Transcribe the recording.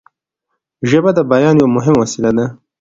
ژبه د بیان یوه مهمه وسیله ده